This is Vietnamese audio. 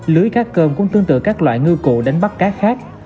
lưới cá cơm cũng tương tự các loại ngư cụ đánh bắt cá khác